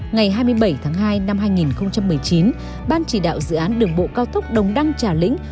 ngày hai mươi bảy tháng hai năm hai nghìn một mươi chín ban chỉ đạo dự án đường bộ cao tốc đồng đăng trà lĩnh